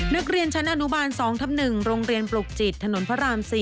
นักเรียนชั้นอนุบาล๒ทับ๑โรงเรียนปลูกจิตถนนพระราม๔